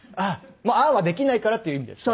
ああはできないからっていう意味で。